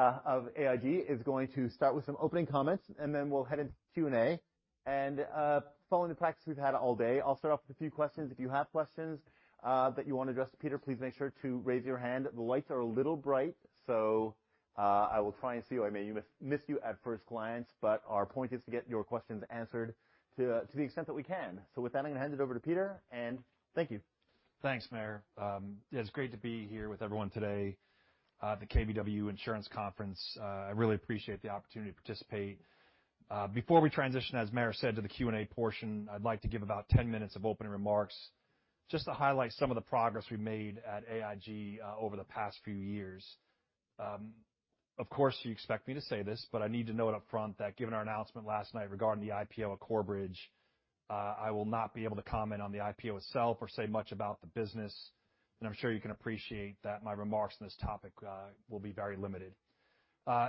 of AIG is going to start with some opening comments, then we'll head into Q&A. Following the practice we've had all day, I'll start off with a few questions. If you have questions that you want to address to Peter, please make sure to raise your hand. The lights are a little bright, I will try and see you. I may miss you at first glance, but our point is to get your questions answered to the extent that we can. With that, I'm going to hand it over to Peter, and thank you. Thanks, Meyer. It's great to be here with everyone today at the KBW Insurance Conference. I really appreciate the opportunity to participate. Before we transition, as Meyer said, to the Q&A portion, I'd like to give about 10 minutes of opening remarks just to highlight some of the progress we've made at AIG over the past few years. Of course, you expect me to say this, but I need to note upfront that given our announcement last night regarding the IPO of Corebridge, I will not be able to comment on the IPO itself or say much about the business. I'm sure you can appreciate that my remarks on this topic will be very limited.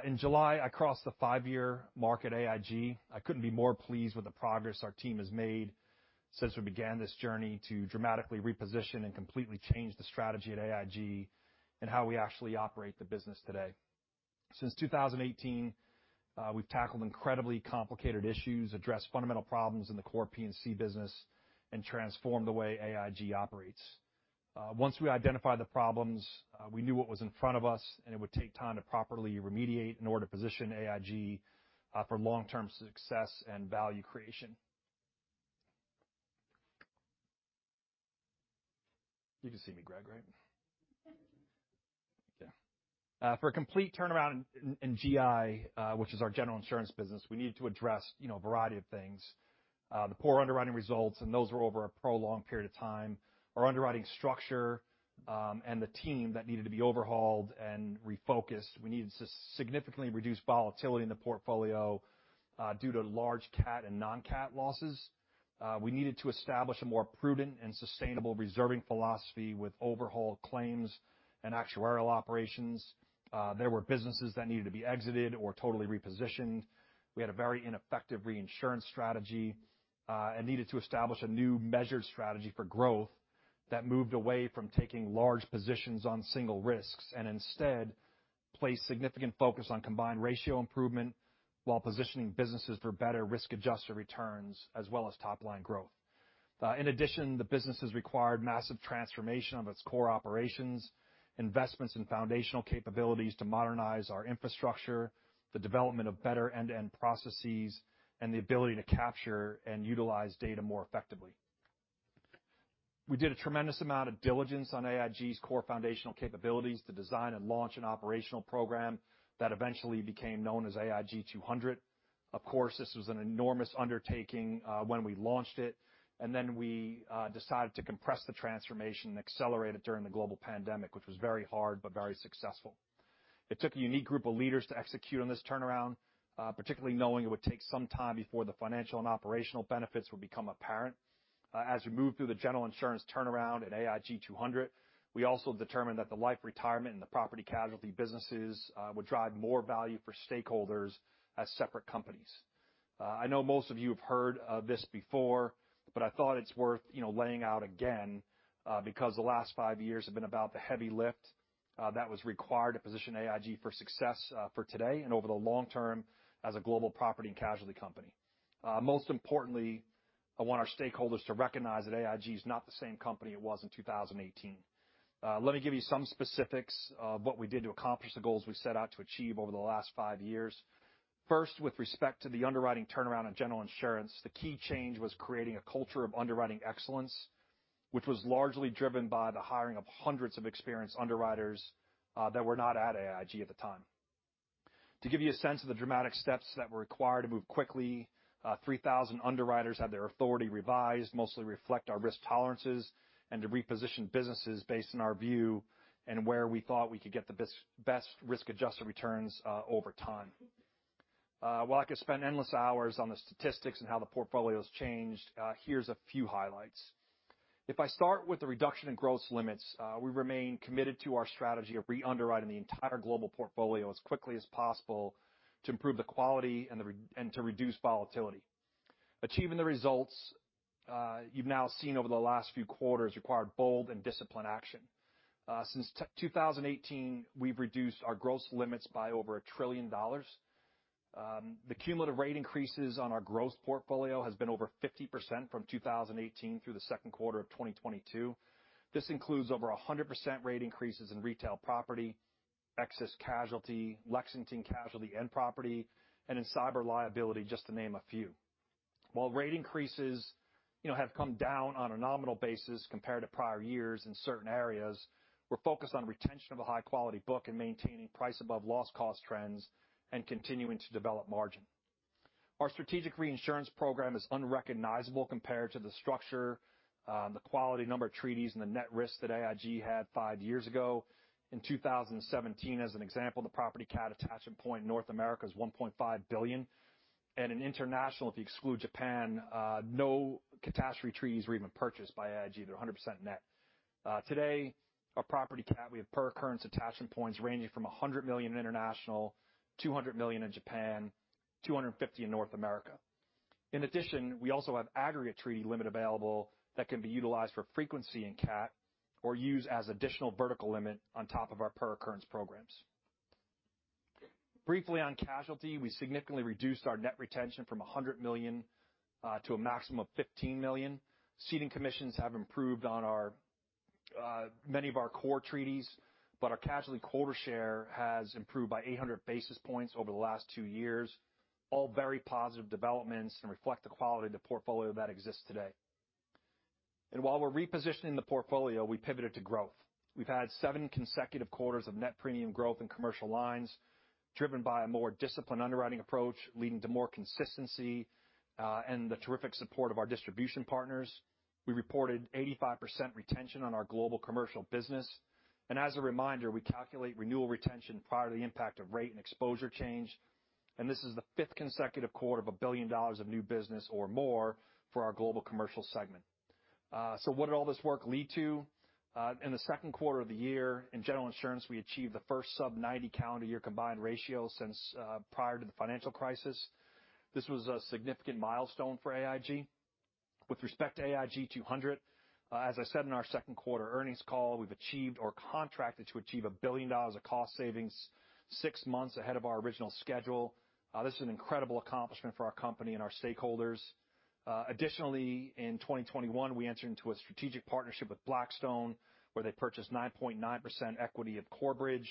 In July, I crossed the five-year mark at AIG. I couldn't be more pleased with the progress our team has made since we began this journey to dramatically reposition and completely change the strategy at AIG and how we actually operate the business today. Since 2018, we've tackled incredibly complicated issues, addressed fundamental problems in the core P&C business, and transformed the way AIG operates. Once we identified the problems, we knew what was in front of us, and it would take time to properly remediate in order to position AIG for long-term success and value creation. You can see me, Greg, right? Okay. For a complete turnaround in GI, which is our general insurance business, we needed to address a variety of things. The poor underwriting results, and those were over a prolonged period of time, our underwriting structure, and the team that needed to be overhauled and refocused. We needed to significantly reduce volatility in the portfolio due to large CAT and non-CAT losses. We needed to establish a more prudent and sustainable reserving philosophy with overhauled claims and actuarial operations. There were businesses that needed to be exited or totally repositioned. We had a very ineffective reinsurance strategy, and needed to establish a new measured strategy for growth that moved away from taking large positions on single risks, and instead place significant focus on combined ratio improvement while positioning businesses for better risk-adjusted returns as well as top-line growth. In addition, the business has required massive transformation of its core operations, investments in foundational capabilities to modernize our infrastructure, the development of better end-to-end processes, and the ability to capture and utilize data more effectively. We did a tremendous amount of diligence on AIG's core foundational capabilities to design and launch an operational program that eventually became known as AIG 200. This was an enormous undertaking when we launched it. We decided to compress the transformation and accelerate it during the global pandemic, which was very hard but very successful. It took a unique group of leaders to execute on this turnaround, particularly knowing it would take some time before the financial and operational benefits would become apparent. As we moved through the General Insurance turnaround at AIG 200, we also determined that the life retirement and the property casualty businesses would drive more value for stakeholders as separate companies. I know most of you have heard of this before. I thought it's worth laying out again. The last five years have been about the heavy lift that was required to position AIG for success for today and over the long term as a global property and casualty company. Most importantly, I want our stakeholders to recognize that AIG is not the same company it was in 2018. Let me give you some specifics of what we did to accomplish the goals we set out to achieve over the last five years. First, with respect to the underwriting turnaround in General Insurance, the key change was creating a culture of underwriting excellence, which was largely driven by the hiring of hundreds of experienced underwriters that were not at AIG at the time. To give you a sense of the dramatic steps that were required to move quickly, 3,000 underwriters had their authority revised, mostly to reflect our risk tolerances and to reposition businesses based on our view and where we thought we could get the best risk-adjusted returns over time. While I could spend endless hours on the statistics and how the portfolio's changed, here's a few highlights. If I start with the reduction in gross limits, we remain committed to our strategy of re-underwriting the entire global portfolio as quickly as possible to improve the quality and to reduce volatility. Achieving the results you've now seen over the last few quarters required bold and disciplined action. Since 2018, we've reduced our gross limits by over $1 trillion. The cumulative rate increases on our gross portfolio has been over 50% from 2018 through the second quarter of 2022. This includes over 100% rate increases in retail property, excess casualty, Lexington Casualty and property, and in cyber liability, just to name a few. While rate increases have come down on a nominal basis compared to prior years in certain areas, we're focused on retention of a high-quality book and maintaining price above loss cost trends and continuing to develop margin. Our strategic reinsurance program is unrecognizable compared to the structure, the quality, number of treaties, and the net risk that AIG had five years ago. In 2017, as an example, the property CAT attachment point in North America was $1.5 billion. In international, if you exclude Japan, no catastrophe treaties were even purchased by AIG. They're 100% net. Today, our property CAT, we have per occurrence attachment points ranging from $100 million in international, $200 million in Japan, $250 in North America. We also have aggregate treaty limit available that can be utilized for frequency in CAT or used as additional vertical limit on top of our per occurrence programs. Briefly on casualty, we significantly reduced our net retention from $100 million to a maximum of $15 million. Ceding commissions have improved on many of our core treaties, but our casualty quota share has improved by 800 basis points over the last two years. Very positive developments and reflect the quality of the portfolio that exists today. While we're repositioning the portfolio, we pivoted to growth. We've had seven consecutive quarters of net premium growth in commercial lines, driven by a more disciplined underwriting approach, leading to more consistency, and the terrific support of our distribution partners. We reported 85% retention on our global commercial business. As a reminder, we calculate renewal retention prior to the impact of rate and exposure change. This is the fifth consecutive quarter of $1 billion of new business or more for our global commercial segment. What did all this work lead to? In the second quarter of the year, in general insurance, we achieved the first sub-90 calendar year combined ratio since prior to the financial crisis. This was a significant milestone for AIG. With respect to AIG 200, as I said in our second quarter earnings call, we've achieved or contracted to achieve $1 billion of cost savings six months ahead of our original schedule. This is an incredible accomplishment for our company and our stakeholders. Additionally, in 2021, we entered into a strategic partnership with Blackstone, where they purchased 9.9% equity of Corebridge.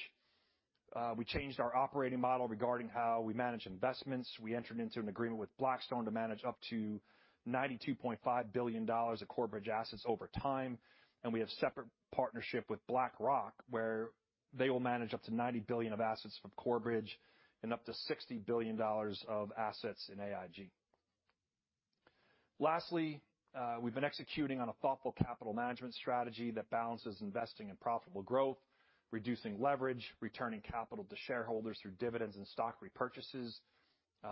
We changed our operating model regarding how we manage investments. We entered into an agreement with Blackstone to manage up to $92.5 billion of Corebridge assets over time. We have separate partnership with BlackRock, where they will manage up to $90 billion of assets from Corebridge and up to $60 billion of assets in AIG. Lastly, we've been executing on a thoughtful capital management strategy that balances investing in profitable growth, reducing leverage, returning capital to shareholders through dividends and stock repurchases.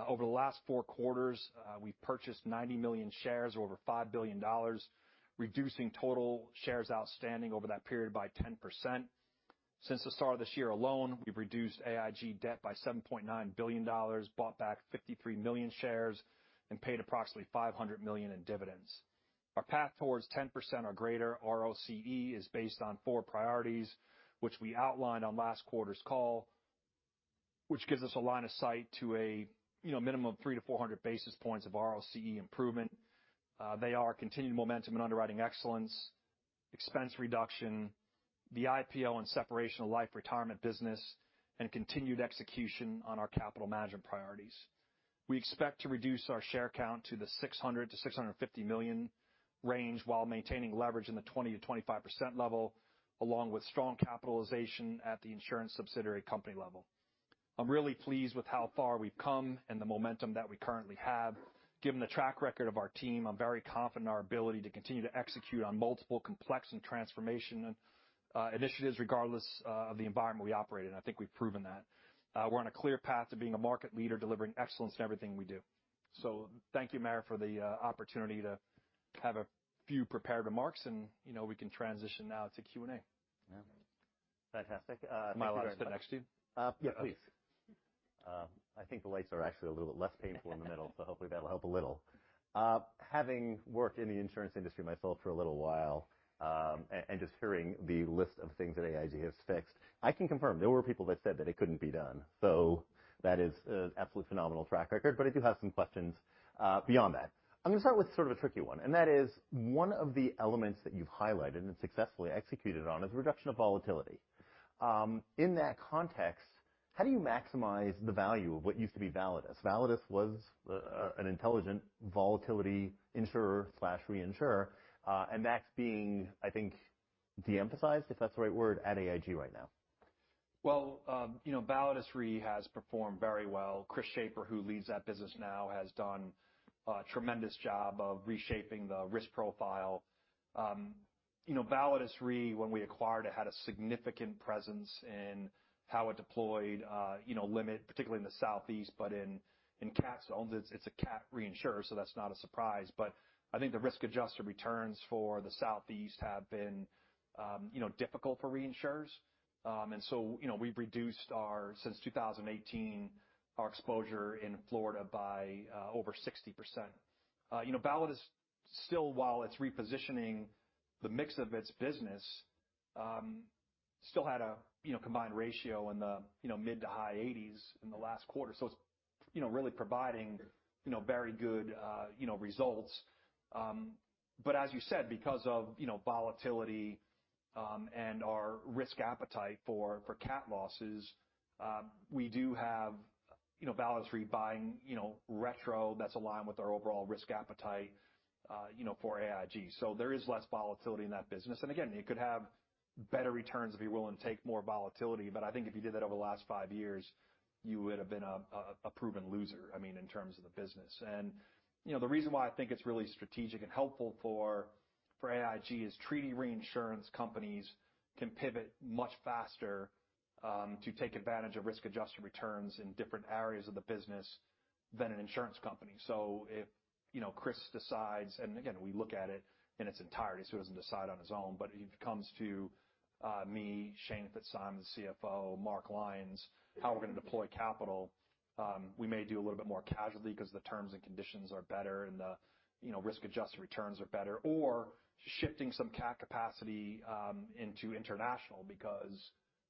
Over the last four quarters, we've purchased 90 million shares or over $5 billion, reducing total shares outstanding over that period by 10%. Since the start of this year alone, we've reduced AIG debt by $7.9 billion, bought back 53 million shares, and paid approximately $500 million in dividends. Our path towards 10% or greater ROCE is based on four priorities, which we outlined on last quarter's call, which gives us a line of sight to a minimum 300-400 basis points of ROCE improvement. They are continued momentum and underwriting excellence, expense reduction, the IPO and separation of life retirement business, and continued execution on our capital management priorities. We expect to reduce our share count to the 600 million-650 million range while maintaining leverage in the 20%-25% level, along with strong capitalization at the insurance subsidiary company level. I'm really pleased with how far we've come and the momentum that we currently have. Given the track record of our team, I'm very confident in our ability to continue to execute on multiple complex and transformation initiatives regardless of the environment we operate in. I think we've proven that. We're on a clear path to being a market leader, delivering excellence in everything we do. Thank you, Meyer, for the opportunity to have a few prepared remarks, and we can transition now to Q&A. Yeah. Fantastic. Am I allowed to sit next to you? Yeah, please. I think the lights are actually a little bit less painful in the middle, so hopefully that'll help a little. Having worked in the insurance industry myself for a little while, and just hearing the list of things that AIG has fixed, I can confirm there were people that said that it couldn't be done. That is an absolutely phenomenal track record. I do have some questions beyond that. I'm going to start with sort of a tricky one, and that is one of the elements that you've highlighted and successfully executed on is reduction of volatility. In that context, how do you maximize the value of what used to be Validus? Validus was an intelligent volatility insurer/reinsurer, and that's being, I think, de-emphasized, if that's the right word, at AIG right now. Well, Validus Re has performed very well. Chris Schaper, who leads that business now, has done a tremendous job of reshaping the risk profile. Validus Re, when we acquired it, had a significant presence in how it deployed limit, particularly in the Southeast, but in CAT zones, it's a CAT reinsurer, so that's not a surprise. I think the risk-adjusted returns for the Southeast have been difficult for reinsurers. We've reduced, since 2018, our exposure in Florida by over 60%. Validus, still while it's repositioning the mix of its business, still had a combined ratio in the mid to high 80s in the last quarter. It's really providing very good results. As you said, because of volatility and our risk appetite for CAT losses, we do have Validus Re buying retro that's aligned with our overall risk appetite for AIG. There is less volatility in that business. Again, you could have better returns if you're willing to take more volatility. I think if you did that over the last five years, you would have been a proven loser, I mean, in terms of the business. The reason why I think it's really strategic and helpful for AIG is treaty reinsurance companies can pivot much faster to take advantage of risk-adjusted returns in different areas of the business Than an insurance company. If Chris decides, again, we look at it in its entirety, so he doesn't decide on his own, but he comes to me, Shane Fitzsimons, the CFO, Mark Lyons, how we're going to deploy capital, we may do a little bit more casualty because the terms and conditions are better and the risk-adjusted returns are better. Shifting some CAT capacity into international because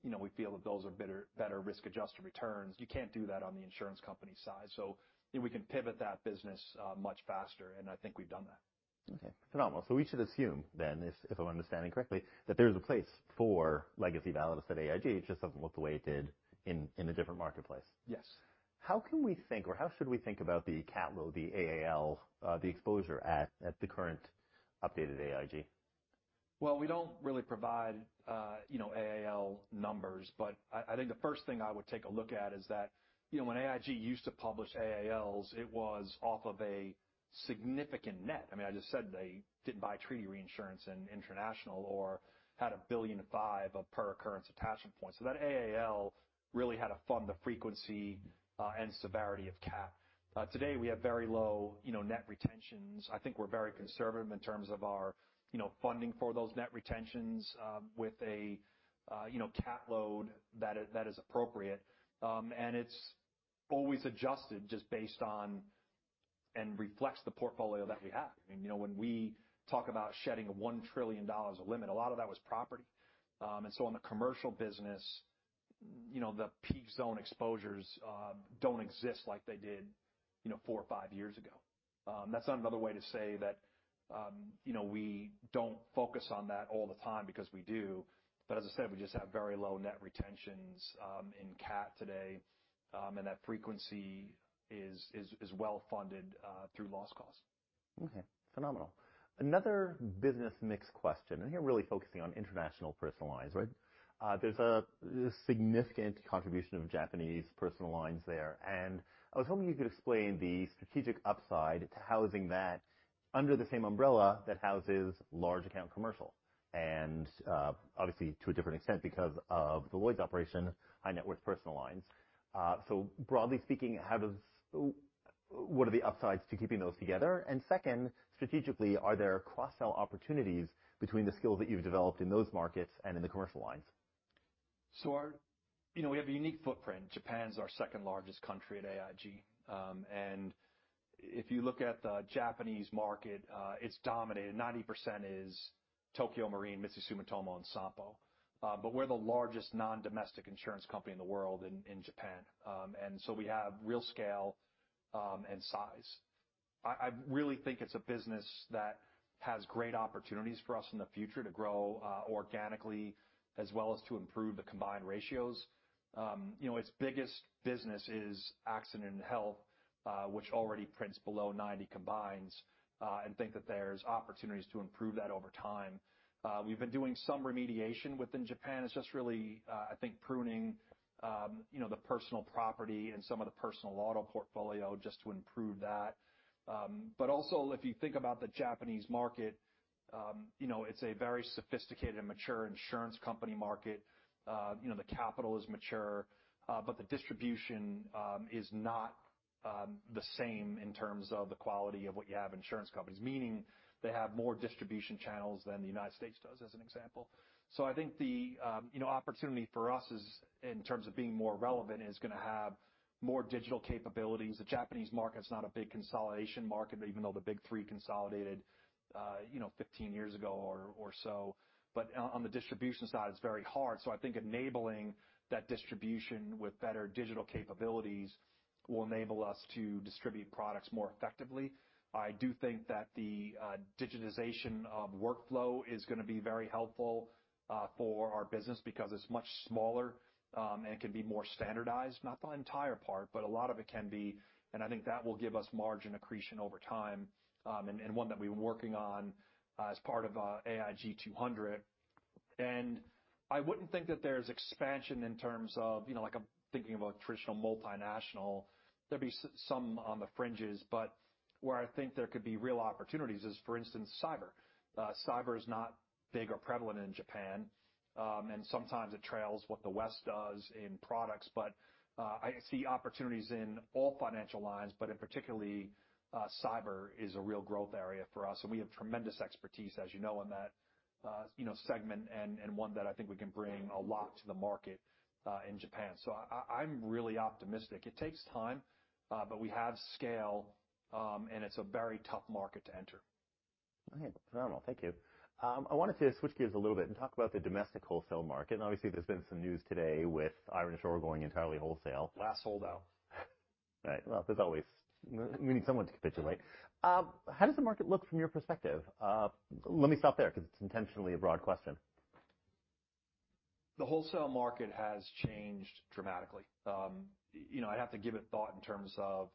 we feel that those are better risk-adjusted returns. You can't do that on the insurance company side. We can pivot that business much faster, and I think we've done that. Okay. Phenomenal. We should assume then, if I'm understanding correctly, that there's a place for legacy Validus at AIG. It just doesn't look the way it did in a different marketplace. Yes. How can we think or how should we think about the CAT load, the AAL, the exposure at the current updated AIG? Well, we don't really provide AAL numbers, but I think the first thing I would take a look at is that when AIG used to publish AALs, it was off of a significant net. I just said they didn't buy treaty reinsurance in international or had a $1.5 billion of per occurrence attachment points. That AAL really had to fund the frequency and severity of CAT. Today, we have very low net retentions. I think we're very conservative in terms of our funding for those net retentions with a CAT load that is appropriate. It's always adjusted just based on and reflects the portfolio that we have. When we talk about shedding a $1 trillion of limit, a lot of that was property. On the commercial business, the peak zone exposures don't exist like they did four or five years ago. That's not another way to say that we don't focus on that all the time because we do. As I said, we just have very low net retentions in CAT today. That frequency is well-funded through loss cost. Okay. Phenomenal. Another business mix question, here really focusing on international personal lines. There's a significant contribution of Japanese personal lines there. I was hoping you could explain the strategic upside to housing that under the same umbrella that houses large account commercial and, obviously, to a different extent because of the Lloyd's operation, high net worth personal lines. Broadly speaking, what are the upsides to keeping those together? Second, strategically, are there cross-sell opportunities between the skills that you've developed in those markets and in the commercial lines? We have a unique footprint. Japan's our second largest country at AIG. If you look at the Japanese market, it's dominated. 90% is Tokio Marine, Mitsui Sumitomo, and Sompo. We're the largest non-domestic insurance company in the world in Japan. We have real scale and size. I really think it's a business that has great opportunities for us in the future to grow organically as well as to improve the combined ratios. Its biggest business is accident and health, which already prints below 90 combines, and think that there's opportunities to improve that over time. We've been doing some remediation within Japan. It's just really pruning the personal property and some of the personal auto portfolio just to improve that. If you think about the Japanese market, it's a very sophisticated and mature insurance company market. The capital is mature, the distribution is not the same in terms of the quality of what you have in insurance companies, meaning they have more distribution channels than the United States does, as an example. I think the opportunity for us is in terms of being more relevant is going to have more digital capabilities. The Japanese market's not a big consolidation market, even though the big three consolidated 15 years ago or so. On the distribution side, it's very hard. I think enabling that distribution with better digital capabilities will enable us to distribute products more effectively. I do think that the digitization of workflow is going to be very helpful for our business because it's much smaller and can be more standardized, not the entire part, but a lot of it can be, and I think that will give us margin accretion over time, and one that we've been working on as part of AIG 200. I wouldn't think that there's expansion in terms of I'm thinking of a traditional multinational, there'd be some on the fringes, but where I think there could be real opportunities is, for instance, cyber. Cyber is not big or prevalent in Japan. Sometimes it trails what the West does in products. I see opportunities in all financial lines, but in particularly, cyber is a real growth area for us, and we have tremendous expertise, as you know, in that segment and one that I think we can bring a lot to the market in Japan. I'm really optimistic. It takes time, we have scale, and it's a very tough market to enter. Okay. Phenomenal. Thank you. I wanted to switch gears a little bit and talk about the domestic wholesale market. Obviously, there's been some news today with Ironshore going entirely wholesale. Last holdout. Right. Well, there's always. You need someone to capitulate. How does the market look from your perspective? Let me stop there because it's intentionally a broad question. The wholesale market has changed dramatically. I'd have to give it thought in terms of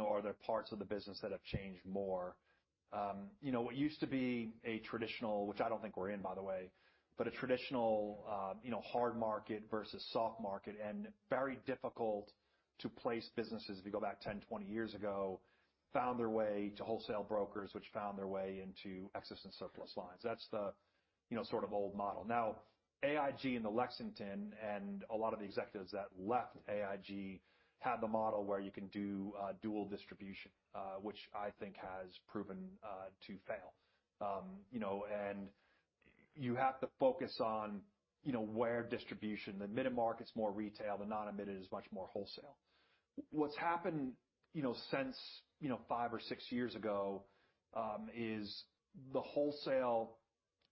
are there parts of the business that have changed more? What used to be a traditional, which I don't think we're in, by the way, but a traditional hard market versus soft market and very difficult to place businesses, if you go back 10, 20 years ago found their way to wholesale brokers, which found their way into excess and surplus lines. That's the old model. Now, AIG and the Lexington and a lot of the executives that left AIG had the model where you can do dual distribution, which I think has proven to fail. You have to focus on where distribution, the admitted market's more retail, the non-admitted is much more wholesale. What's happened since five or six years ago, is the wholesale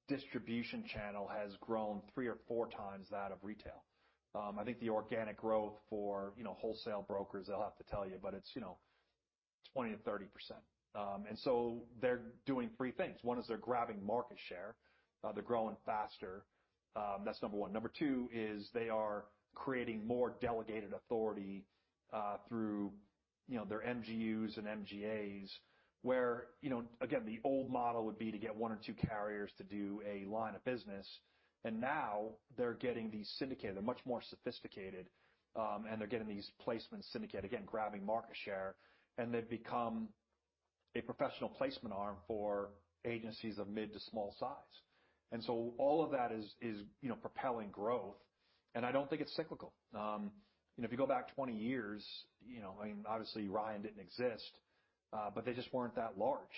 distribution channel has grown 3 or 4 times that of retail. I think the organic growth for wholesale brokers, they'll have to tell you, but it's 20%-30%. They're doing three things. One is they're grabbing market share. They're growing faster. That's number one. Number two is they are creating more delegated authority through their MGUs and MGAs, where, again, the old model would be to get 1 or 2 carriers to do a line of business. Now they're getting these syndicated, they're much more sophisticated, and they're getting these placement syndicate again, grabbing market share, and they've become a professional placement arm for agencies of mid to small size. All of that is propelling growth, and I don't think it's cyclical. If you go back 20 years, obviously Ryan didn't exist, but they just weren't that large,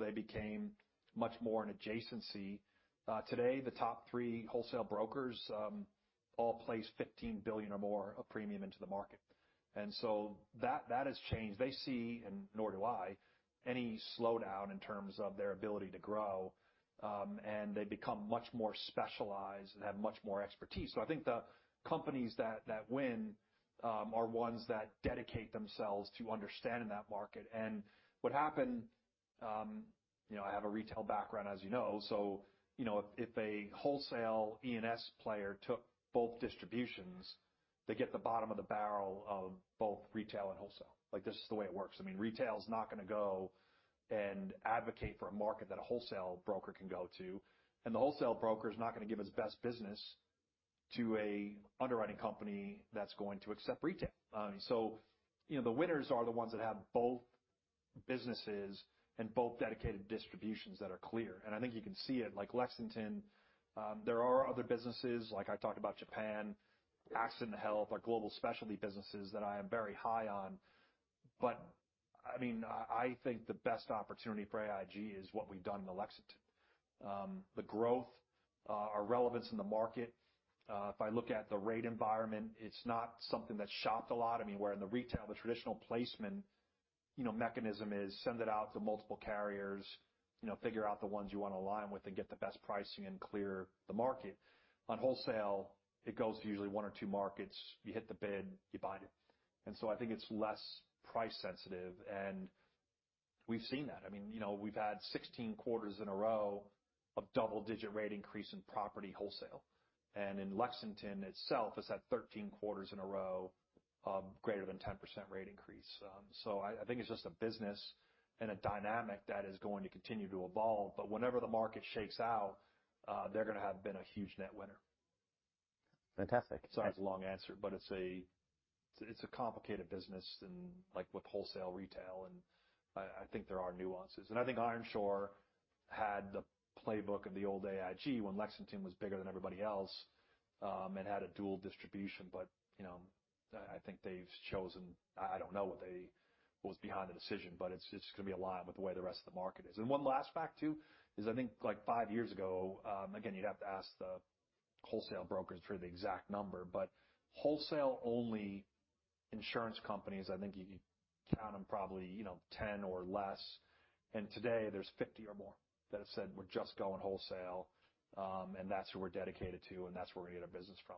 they became much more an adjacency. Today, the top 3 wholesale brokers all place $15 billion or more of premium into the market. That has changed. They see, and nor do I, any slowdown in terms of their ability to grow, and they become much more specialized and have much more expertise. I think the companies that win are ones that dedicate themselves to understanding that market. What happened, I have a retail background, as you know. If a wholesale E&S player took both distributions, they get the bottom of the barrel of both retail and wholesale. This is the way it works. Retail's not going to go and advocate for a market that a wholesale broker can go to, and the wholesale broker's not going to give his best business to an underwriting company that's going to accept retail. The winners are the ones that have both businesses and both dedicated distributions that are clear. I think you can see it, like Lexington. There are other businesses, like I talked about Japan, accident and health, our global specialty businesses that I am very high on. I think the best opportunity for AIG is what we've done in Lexington. The growth, our relevance in the market. If I look at the rate environment, it's not something that's shopped a lot. Where in the retail, the traditional placement mechanism is send it out to multiple carriers, figure out the ones you want to align with and get the best pricing and clear the market. On wholesale, it goes to usually 1 or 2 markets. You hit the bid, you bind it. I think it's less price sensitive, and we've seen that. We've had 16 quarters in a row of double-digit rate increase in property wholesale. In Lexington itself, it's at 13 quarters in a row of greater than 10% rate increase. I think it's just a business and a dynamic that is going to continue to evolve, but whenever the market shakes out, they're going to have been a huge net winner. Fantastic. Sorry, it's a long answer, but it's a complicated business with wholesale retail, and I think there are nuances. Ironshore had the playbook of the old AIG when Lexington was bigger than everybody else, and had a dual distribution. I think they've chosen I don't know what was behind the decision, but it's going to be aligned with the way the rest of the market is. One last fact too, is I think 5 years ago, again, you'd have to ask the wholesale brokers for the exact number, but wholesale-only insurance companies, I think you count them probably 10 or less. Today there's 50 or more that have said, "We're just going wholesale, and that's who we're dedicated to, and that's where we get our business from."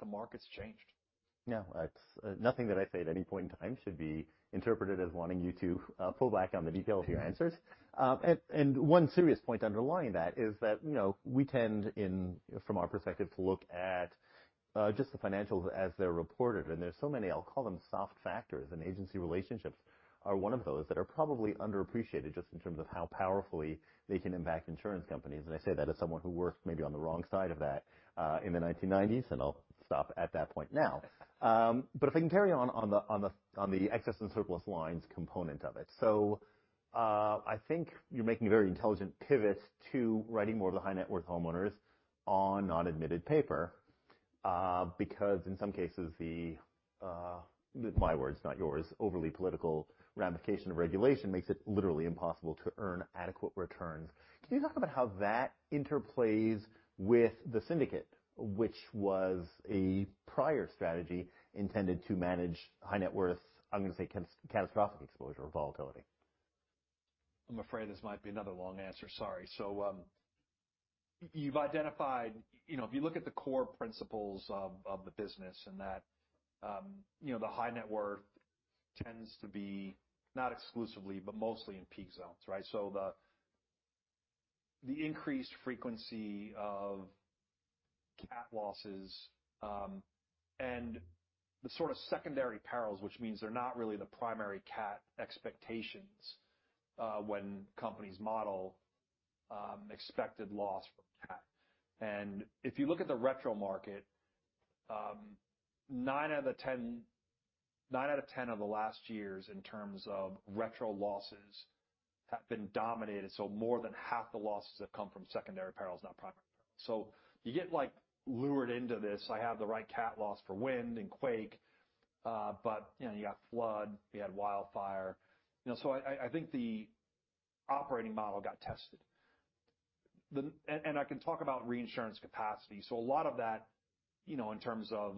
The market's changed. No, nothing that I say at any point in time should be interpreted as wanting you to pull back on the details of your answers. One serious point underlying that is that we tend, from our perspective, to look at just the financials as they're reported. There's so many, I'll call them soft factors, and agency relationships are one of those that are probably underappreciated just in terms of how powerfully they can impact insurance companies. I say that as someone who worked maybe on the wrong side of that in the 1990s, and I'll stop at that point now. If I can carry on the excess and surplus lines component of it. I think you're making a very intelligent pivot to writing more of the high-net-worth homeowners on non-admitted paper because, in some cases, the, my words not yours, overly political ramification of regulation makes it literally impossible to earn adequate returns. Can you talk about how that interplays with the syndicate, which was a prior strategy intended to manage high-net-worth, I'm going to say, catastrophic exposure or volatility? I'm afraid this might be another long answer. Sorry. You've identified if you look at the core principles of the business, and that the high net worth tends to be not exclusively, but mostly in peak zones, right? The increased frequency of CAT losses, and the sort of secondary perils, which means they're not really the primary CAT expectations When companies model expected loss from CAT. If you look at the retro market, 9 out of 10 of the last years in terms of retro losses have been dominated. More than half the losses have come from secondary peril, not primary peril. You get lured into this, I have the right CAT loss for wind and quake, but you got flood, you had wildfire. I think the operating model got tested. I can talk about reinsurance capacity. A lot of that, in terms of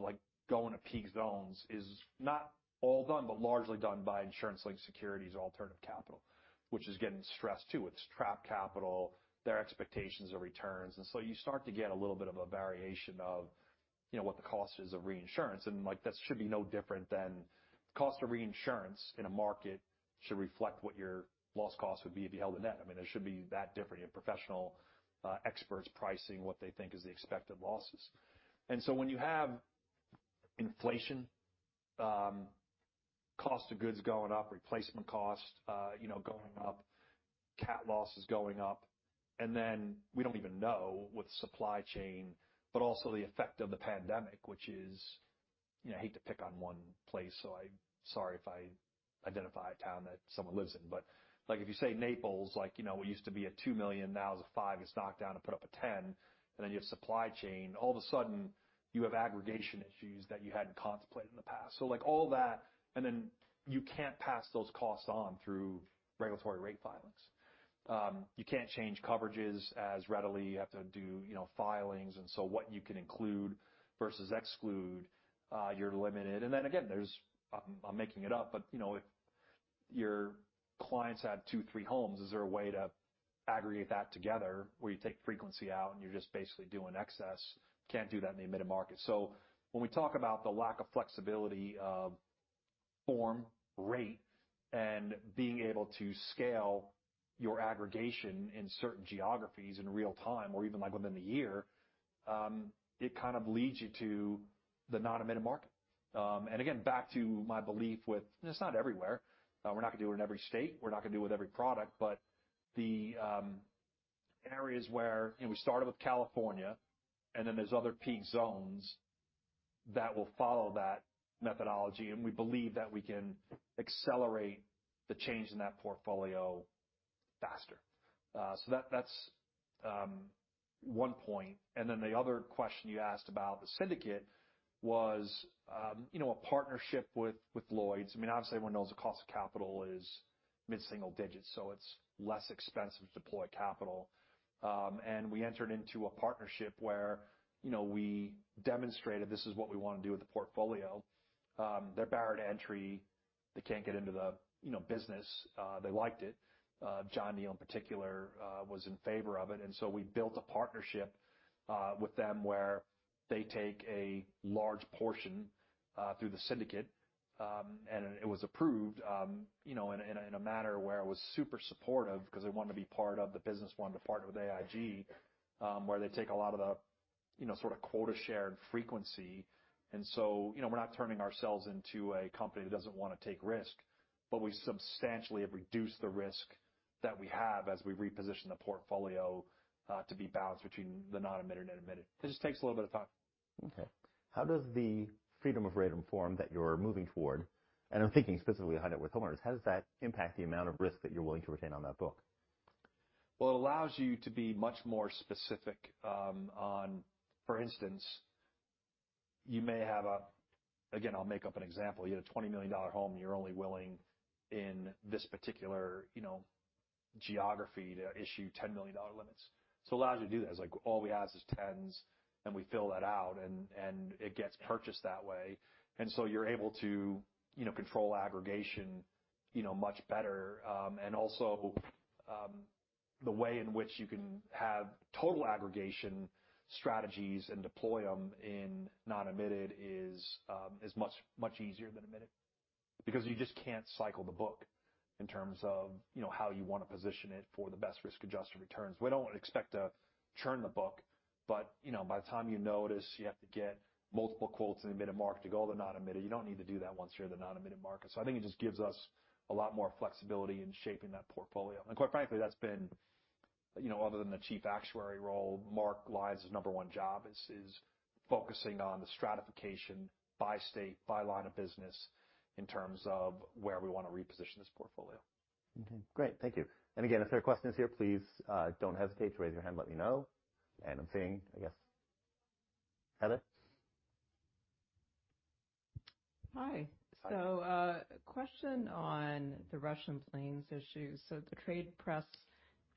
going to peak zones, is not all done, but largely done by insurance-linked securities, alternative capital, which is getting stressed too. It's trapped capital, their expectations of returns. You start to get a little bit of a variation of what the cost is of reinsurance. That should be no different than cost of reinsurance in a market should reflect what your loss cost would be if you held a net. It shouldn't be that different. You have professional experts pricing what they think is the expected losses. When you have inflation, cost of goods going up, replacement cost going up, CAT losses going up, then we don't even know what the supply chain, but also the effect of the pandemic, which is, I hate to pick on one place, so sorry if I identify a town that someone lives in. But if you say Naples, what used to be a $2 million now is a $5, it's knocked down to put up a $10, then you have supply chain. All of a sudden, you have aggregation issues that you hadn't contemplated in the past. All that, then you can't pass those costs on through regulatory rate filings. You can't change coverages as readily. You have to do filings, what you can include versus exclude, you're limited. Again, I'm making it up, but if your clients have two, three homes, is there a way to aggregate that together where you take frequency out and you're just basically doing excess? Can't do that in the admitted market. When we talk about the lack of flexibility of form, rate, and being able to scale your aggregation in certain geographies in real time or even within the year, it kind of leads you to the non-admitted market. Again, back to my belief with, it's not everywhere. We're not going to do it in every state. We're not going to do it with every product. But the areas where we started with California, then there's other peak zones that will follow that methodology, we believe that we can accelerate the change in that portfolio faster. That's one point. The other question you asked about the syndicate was a partnership with Lloyd's. Obviously, everyone knows the cost of capital is mid-single digits, it's less expensive to deploy capital. We entered into a partnership where we demonstrated this is what we want to do with the portfolio. They're barred entry. They can't get into the business. They liked it. John Neal, in particular, was in favor of it. We built a partnership with them where they take a large portion through the syndicate, it was approved in a manner where it was super supportive because they wanted to be part of the business, wanted to partner with AIG, where they take a lot of the quota share and frequency. We are not turning ourselves into a company that doesn't want to take risk, but we substantially have reduced the risk that we have as we reposition the portfolio to be balanced between the non-admitted and admitted. It just takes a little bit of time. Okay. How does the freedom of rate and form that you're moving toward, and I'm thinking specifically with homeowners, how does that impact the amount of risk that you're willing to retain on that book? Well, it allows you to be much more specific on, for instance, you may have a, again, I'll make up an example. You had a $20 million home, and you're only willing in this particular geography to issue $10 million limits. It allows you to do that. All we ask is tens, and we fill that out, and it gets purchased that way. You're able to control aggregation much better. Also, the way in which you can have total aggregation strategies and deploy them in non-admitted is much easier than admitted because you just can't cycle the book in terms of how you want to position it for the best risk-adjusted returns. We don't expect to churn the book, but by the time you notice you have to get multiple quotes in the admitted market to go to the non-admitted, you don't need to do that once you're in the non-admitted market. I think it just gives us a lot more flexibility in shaping that portfolio. Quite frankly, that's been, other than the Chief Actuary role, Mark Lyons' number one job is focusing on the stratification by state, by line of business in terms of where we want to reposition this portfolio. Okay, great. Thank you. Again, if there are questions here, please don't hesitate to raise your hand, let me know. I'm seeing, I guess, Heather? Hi. Hi. A question on the Russian planes issue. The trade press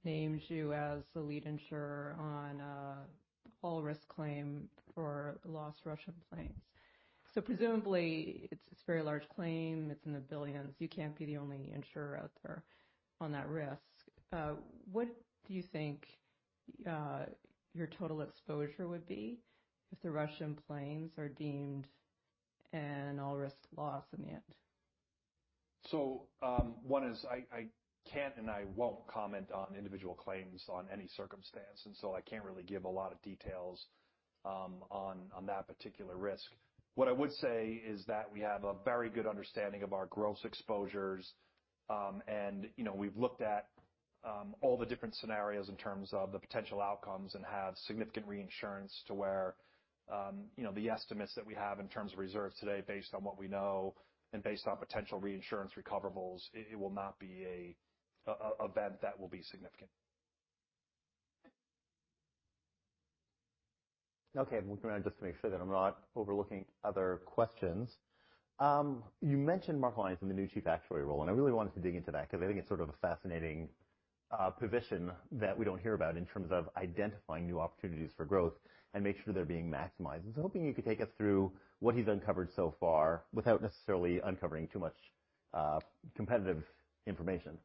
names you as the lead insurer on an all-risk claim for lost Russian planes. Presumably, it's a very large claim. It's in the billions. You can't be the only insurer out there on that risk. What do you think your total exposure would be if the Russian planes are deemed an all-risk loss in the end? One is I can't and I won't comment on individual claims on any circumstance, I can't really give a lot of details on that particular risk. What I would say is that we have a very good understanding of our gross exposures, and we've looked at all the different scenarios in terms of the potential outcomes and have significant reinsurance to where the estimates that we have in terms of reserves today, based on what we know and based on potential reinsurance recoverables, it will not be an event that will be significant. Okay. I'm looking around just to make sure that I'm not overlooking other questions. You mentioned Mark Lyons in the new Chief Actuary role, I really wanted to dig into that because I think it's sort of a fascinating position that we don't hear about in terms of identifying new opportunities for growth and make sure they're being maximized. I was hoping you could take us through what he's uncovered so far without necessarily uncovering too much competitive information.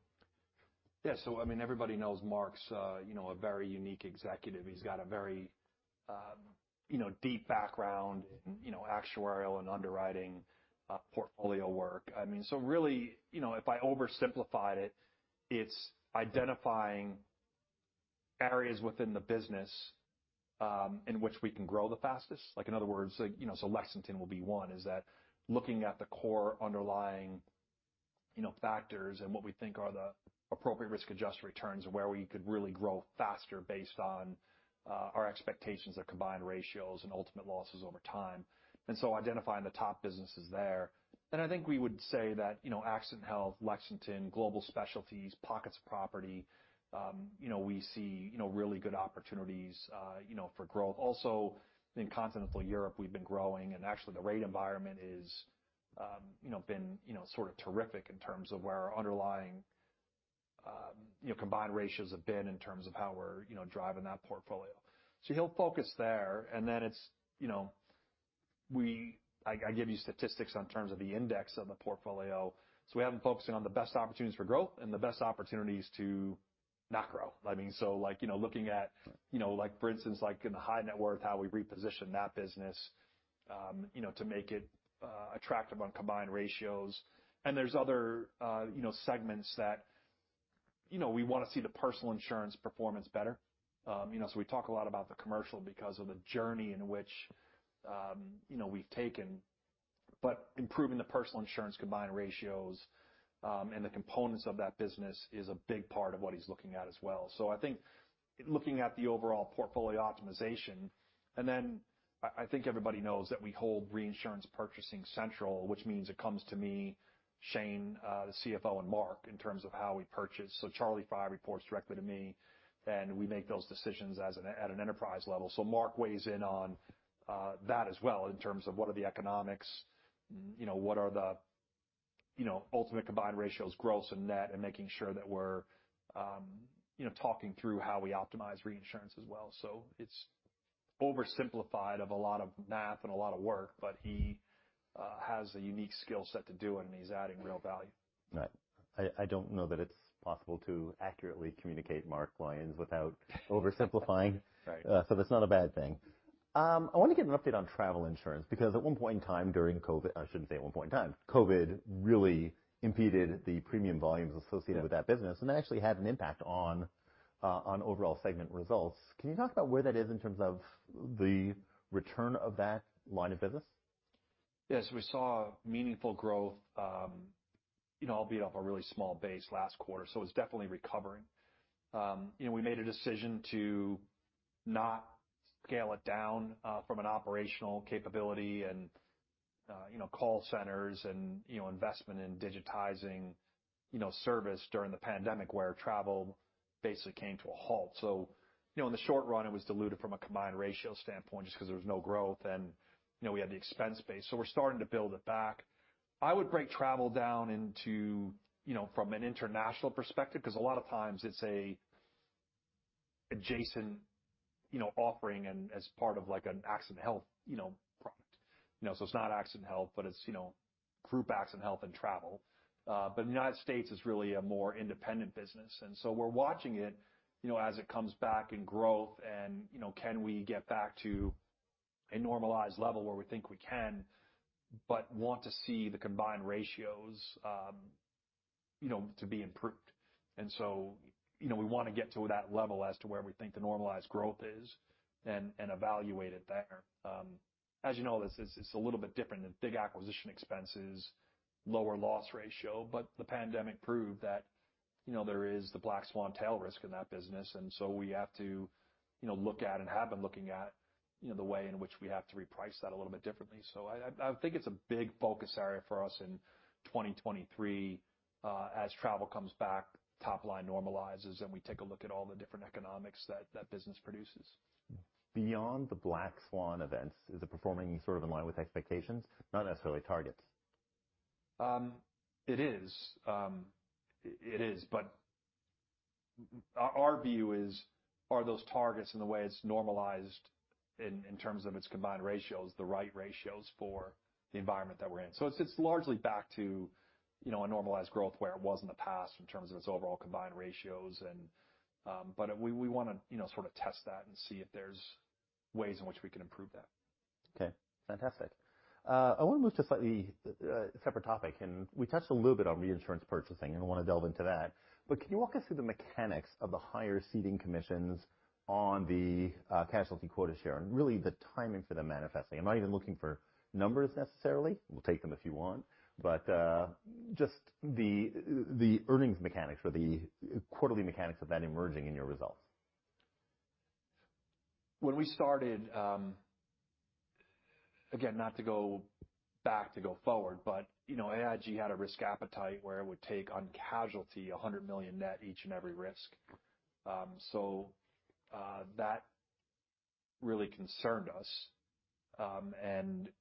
Everybody knows Mark's a very unique executive. He's got a very deep background in actuarial and underwriting portfolio work. Really, if I oversimplified it's identifying areas within the business in which we can grow the fastest. In other words, Lexington will be one, is that looking at the core underlying factors and what we think are the appropriate risk-adjusted returns and where we could really grow faster based on our expectations of combined ratios and ultimate losses over time. Identifying the top businesses there. I think we would say that accident and health, Lexington, global specialties, pockets of property, we see really good opportunities for growth. Also, in continental Europe, we've been growing, and actually, the rate environment has been terrific in terms of where our underlying combined ratios have been in terms of how we're driving that portfolio. He'll focus there, and then I give you statistics on terms of the index of the portfolio. We have him focusing on the best opportunities for growth and the best opportunities to not grow. Looking at, for instance, in the high net worth, how we reposition that business to make it attractive on combined ratios. There's other segments that we want to see the personal insurance performance better. We talk a lot about the commercial because of the journey in which we've taken, but improving the personal insurance combined ratios and the components of that business is a big part of what he's looking at as well. I think looking at the overall portfolio optimization, and then I think everybody knows that we hold reinsurance purchasing central, which means it comes to me, Shane, the CFO, and Mark in terms of how we purchase. Charlie Fry reports directly to me, and we make those decisions at an enterprise level. Mark weighs in on that as well in terms of what are the economics, what are the ultimate combined ratios, gross and net, and making sure that we're talking through how we optimize reinsurance as well. It's oversimplified of a lot of math and a lot of work, but he has a unique skill set to do it, and he's adding real value. Right. I don't know that it's possible to accurately communicate Mark Lyons without oversimplifying. Right. That's not a bad thing. I want to get an update on travel insurance because at one point in time during COVID. I shouldn't say at one point in time, COVID really impeded the premium volumes associated with that business, and that actually had an impact on overall segment results. Can you talk about where that is in terms of the return of that line of business? Yes, we saw meaningful growth, albeit off a really small base last quarter, so it's definitely recovering. We made a decision to not scale it down from an operational capability and call centers and investment in digitizing service during the pandemic where travel basically came to a halt. In the short run, it was diluted from a combined ratio standpoint just because there was no growth and we had the expense base. We're starting to build it back. I would break travel down from an international perspective because a lot of times it's an adjacent offering and as part of an accident and health product. It's not accident and health, but it's group accident and health and travel. In the United States, it's really a more independent business. We're watching it as it comes back in growth and can we get back to a normalized level where we think we can but want to see the combined ratios to be improved. We want to get to that level as to where we think the normalized growth is and evaluate it there. As you know, it's a little bit different than big acquisition expenses, lower loss ratio, but the pandemic proved that there is the black swan tail risk in that business. We have to look at and have been looking at the way in which we have to reprice that a little bit differently. I think it's a big focus area for us in 2023 as travel comes back, top-line normalizes, and we take a look at all the different economics that that business produces. Beyond the black swan events, is it performing sort of in line with expectations, not necessarily targets? It is. Our view is, are those targets in the way it's normalized in terms of its combined ratios, the right ratios for the environment that we're in? It's largely back to a normalized growth where it was in the past in terms of its overall combined ratios. We want to sort of test that and see if there's ways in which we can improve that. Okay, fantastic. I want to move to a slightly separate topic, we touched a little bit on reinsurance purchasing, and I want to delve into that. Can you walk us through the mechanics of the higher ceding commissions on the casualty quota share and really the timing for them manifesting? I'm not even looking for numbers necessarily. We'll take them if you want. Just the earnings mechanics or the quarterly mechanics of that emerging in your results. When we started, again, not to go back to go forward, AIG had a risk appetite where it would take on casualty, $100 million net each and every risk. That really concerned us.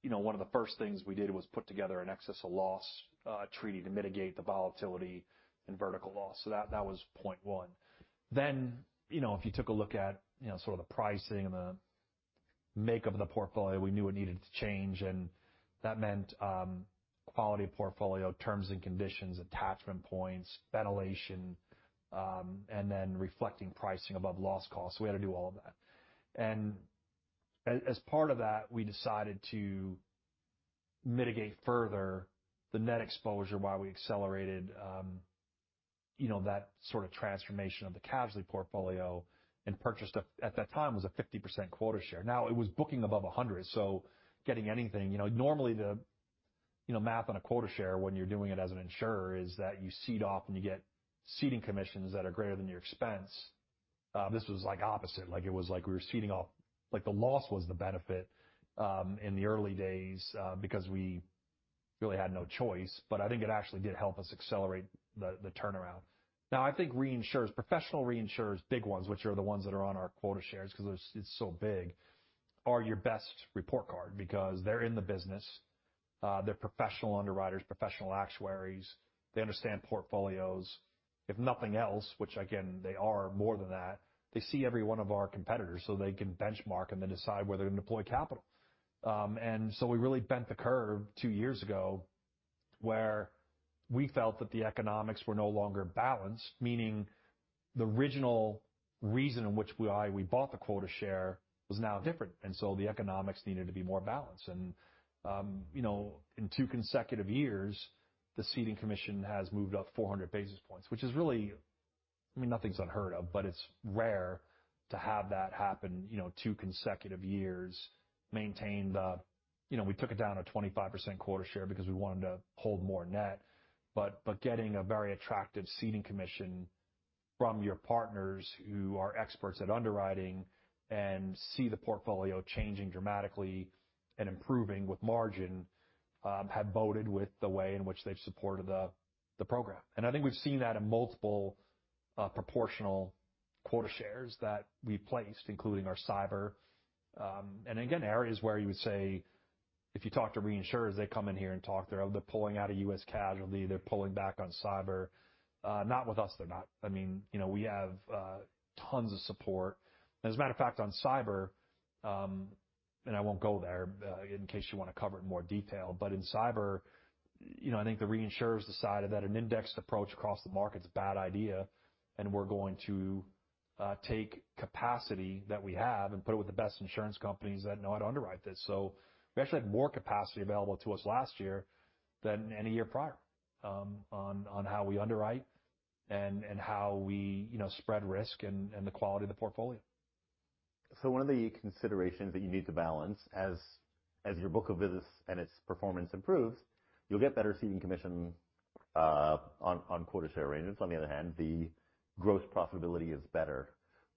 One of the first things we did was put together an excess of loss treaty to mitigate the volatility and vertical loss. That was point one. If you took a look at sort of the pricing and the makeup of the portfolio, we knew it needed to change, that meant quality of portfolio, terms and conditions, attachment points, ventilation, and then reflecting pricing above loss cost. We had to do all of that. As part of that, we decided to mitigate further the net exposure while we accelerated that sort of transformation of the casualty portfolio and purchased, at that time, was a 50% quota share. Now it was booking above 100, getting anything-- normally the math on a quota share when you're doing it as an insurer is that you cede off and you get ceding commissions that are greater than your expense. This was like opposite. It was like we were ceding off, like the loss was the benefit in the early days because we really had no choice. I think it actually did help us accelerate the turnaround. I think reinsurers, professional reinsurers, big ones, which are the ones that are on our quota shares because it's so big, are your best report card because they're in the business. They're professional underwriters, professional actuaries. They understand portfolios. If nothing else, which again, they are more than that, they see every one of our competitors, they can benchmark and then decide whether to deploy capital. We really bent the curve two years ago where we felt that the economics were no longer balanced, meaning the original reason in which we bought the quota share was now different, the economics needed to be more balanced. In two consecutive years, the ceding commission has moved up 400 basis points, which is really, I mean, nothing's unheard of, but it's rare to have that happen two consecutive years. We took it down to 25% quota share because we wanted to hold more net. Getting a very attractive ceding commission from your partners who are experts at underwriting and see the portfolio changing dramatically and improving with margin, have boded with the way in which they've supported the program. I think we've seen that in multiple proportional quota shares that we've placed, including our cyber. Again, areas where you would say, if you talk to reinsurers, they come in here and talk, they're pulling out of U.S. casualty, they're pulling back on cyber. Not with us, they're not. I mean, we have tons of support. As a matter of fact, on cyber, and I won't go there in case you want to cover it in more detail, but in cyber, I think the reinsurers decided that an indexed approach across the market is a bad idea, and we're going to take capacity that we have and put it with the best insurance companies that know how to underwrite this. We actually had more capacity available to us last year than any year prior on how we underwrite and how we spread risk and the quality of the portfolio. One of the considerations that you need to balance as your book of business and its performance improves, you'll get better ceding commission on quota share arrangements. On the other hand, the gross profitability is better.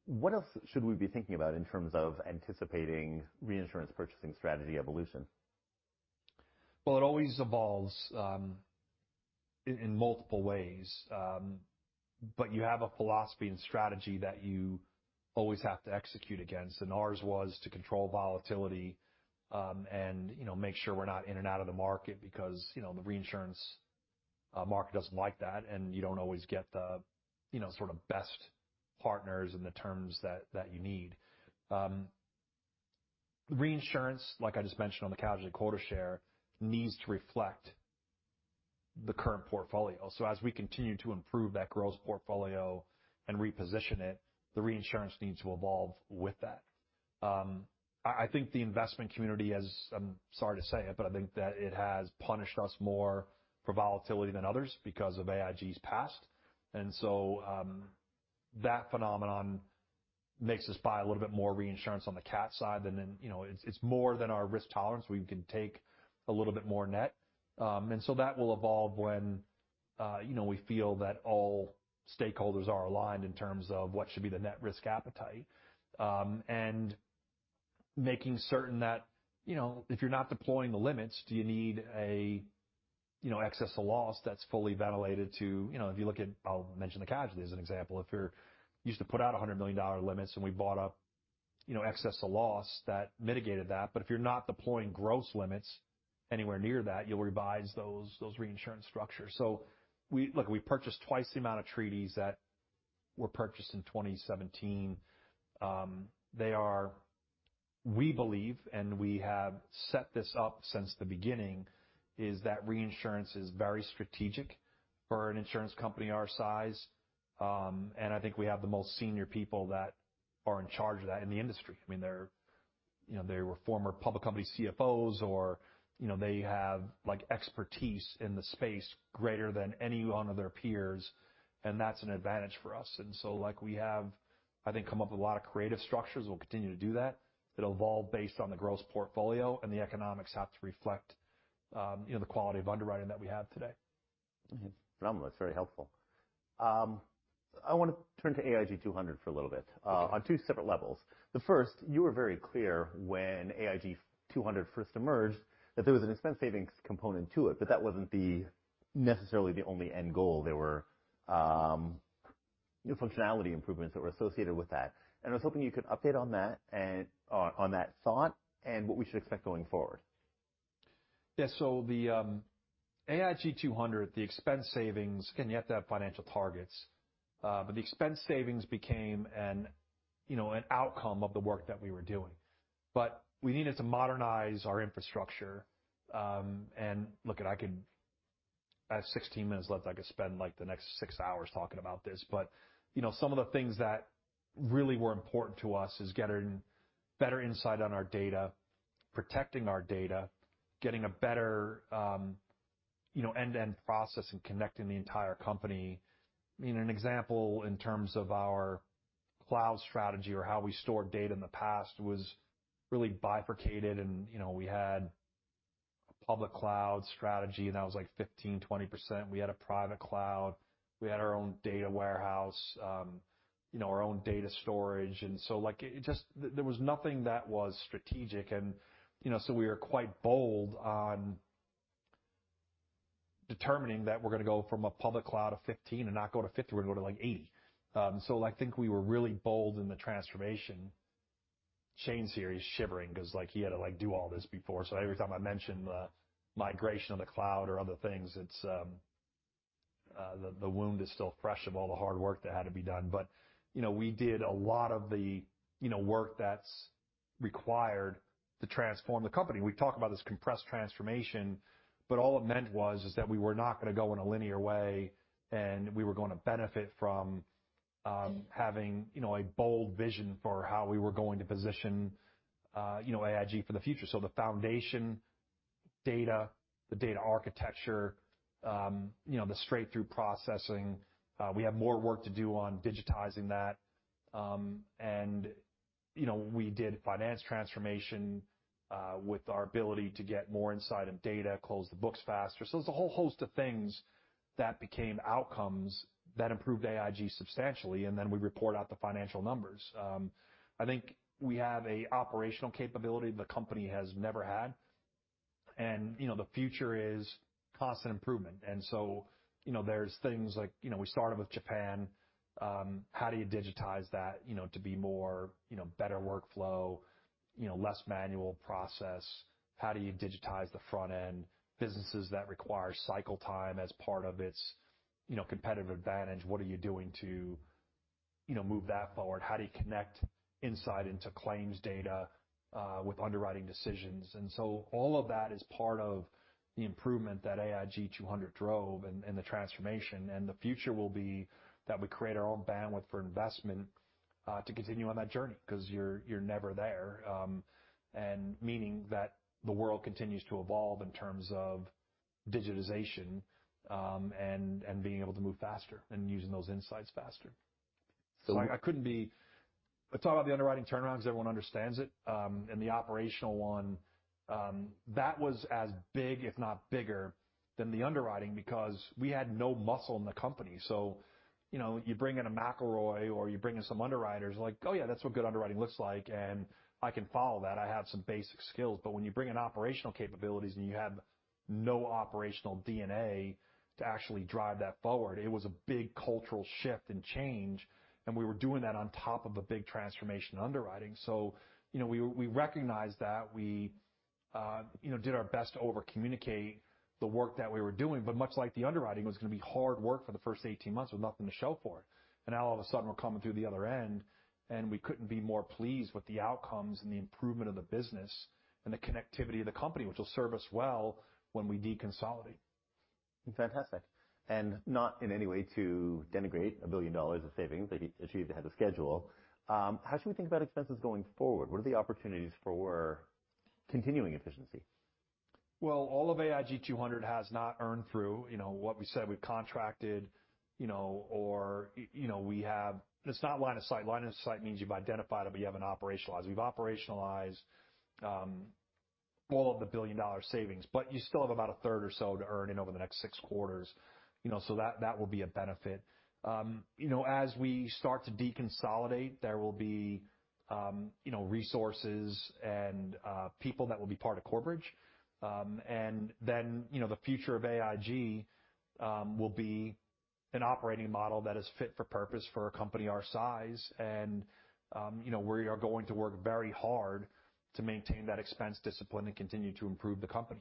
What else should we be thinking about in terms of anticipating reinsurance purchasing strategy evolution? Well, it always evolves in multiple ways. You have a philosophy and strategy that you always have to execute against, and ours was to control volatility and make sure we're not in and out of the market because the reinsurance market doesn't like that, and you don't always get the sort of best partners and the terms that you need. Reinsurance, like I just mentioned on the casualty quota share, needs to reflect the current portfolio. As we continue to improve that gross portfolio and reposition it, the reinsurance needs to evolve with that. I think the investment community has, I'm sorry to say it, but I think that it has punished us more for volatility than others because of AIG's past. That phenomenon makes us buy a little bit more reinsurance on the CAT side than it's more than our risk tolerance. We can take a little bit more net. That will evolve when we feel that all stakeholders are aligned in terms of what should be the net risk appetite. Making certain that if you're not deploying the limits, do you need excess of loss that's fully ventilated to, if you look at, I'll mention the casualty as an example. If you're used to put out $100 million limits and we bought up excess of loss, that mitigated that, but if you're not deploying gross limits anywhere near that, you'll revise those reinsurance structures. Look, we purchased twice the amount of treaties that were purchased in 2017. We believe, and we have set this up since the beginning, is that reinsurance is very strategic for an insurance company our size, and I think we have the most senior people that are in charge of that in the industry. They were former public company CFOs, or they have expertise in the space greater than any one of their peers, and that's an advantage for us. We have, I think, come up with a lot of creative structures. We'll continue to do that. It'll evolve based on the gross portfolio, and the economics have to reflect the quality of underwriting that we have today. Phenomenal. That's very helpful. I want to turn to AIG 200 for a little bit. Okay on two separate levels. The first, you were very clear when AIG 200 first emerged that there was an expense savings component to it, but that wasn't necessarily the only end goal. There were functionality improvements that were associated with that. I was hoping you could update on that thought, and what we should expect going forward. Yeah. The AIG 200, the expense savings, again, you have to have financial targets. The expense savings became an outcome of the work that we were doing. We needed to modernize our infrastructure, and look it, I have 16 minutes left, I could spend the next six hours talking about this. Some of the things that really were important to us is getting better insight on our data, protecting our data, getting a better end-to-end process in connecting the entire company. An example in terms of our cloud strategy or how we stored data in the past was really bifurcated and we had public cloud strategy, and that was like 15%, 20%. We had a private cloud. We had our own data warehouse, our own data storage. There was nothing that was strategic. We were quite bold on determining that we're going to go from a public cloud of 15 and not go to 50, we're going to go to like 80. I think we were really bold in the transformation. Shane's here. He's shivering because he had to do all this before. Every time I mention the migration of the cloud or other things, the wound is still fresh of all the hard work that had to be done. We did a lot of the work that's required to transform the company. We talk about this compressed transformation, all it meant was, is that we were not going to go in a linear way, and we were going to benefit from having a bold vision for how we were going to position AIG for the future. The foundation data, the data architecture, the straight-through processing, we have more work to do on digitizing that. We did finance transformation with our ability to get more insight of data, close the books faster. It's a whole host of things that became outcomes that improved AIG substantially. We report out the financial numbers. I think we have a operational capability the company has never had, and the future is constant improvement. There's things like we started with Japan. How do you digitize that to be better workflow, less manual process? How do you digitize the front end? Businesses that require cycle time as part of its competitive advantage, what are you doing to move that forward? How do you connect insight into claims data with underwriting decisions? All of that is part of the improvement that AIG 200 drove and the transformation. The future will be that we create our own bandwidth for investment to continue on that journey, because you're never there. Meaning that the world continues to evolve in terms of digitization, and being able to move faster and using those insights faster. I talk about the underwriting turnaround because everyone understands it. The operational one, that was as big, if not bigger than the underwriting because we had no muscle in the company. You bring in a McElroy or you bring in some underwriters like, "Oh, yeah, that's what good underwriting looks like, and I can follow that. I have some basic skills." When you bring in operational capabilities and you have no operational DNA to actually drive that forward, it was a big cultural shift and change. We were doing that on top of a big transformation in underwriting. We recognized that. We did our best to over-communicate the work that we were doing, but much like the underwriting, it was going to be hard work for the first 18 months with nothing to show for it. Now all of a sudden, we're coming through the other end, and we couldn't be more pleased with the outcomes and the improvement of the business and the connectivity of the company, which will serve us well when we deconsolidate. Fantastic. Not in any way to denigrate $1 billion of savings achieved ahead of schedule. How should we think about expenses going forward? What are the opportunities for continuing efficiency? Well, all of AIG 200 has not earned through what we said we've contracted. It's not line of sight. Line of sight means you've identified it, but you haven't operationalized. We've operationalized all of the billion-dollar savings, but you still have about a third or so to earn in over the next six quarters. That will be a benefit. As we start to deconsolidate, there will be resources and people that will be part of Corebridge. The future of AIG will be an operating model that is fit for purpose for a company our size, and we are going to work very hard to maintain that expense discipline and continue to improve the company.